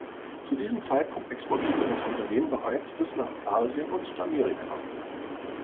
Zu diesem Zeitpunkt exportierte das Unternehmen bereits bs nach Asien und Südamerika.